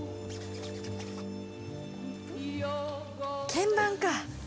鍵盤か。